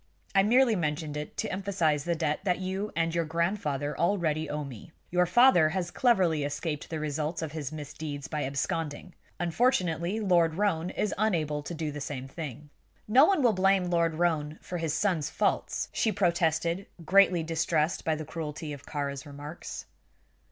I merely mentioned it to emphasize the debt that you and your grandfather already owe me. Your father has cleverly escaped the result of his misdeeds by absconding. Unfortunately, Lord Roane is unable to do the same thing." "No one will blame Lord Roane for his son's faults," she protested, greatly distressed by the cruelty of Kāra's remarks.